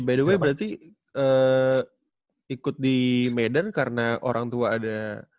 by the way berarti ikut di medan karena orang tua ada